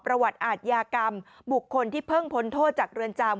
ประวัติอาทยากรรมบุคคลที่เพิ่งพ้นโทษจากเรือนจำ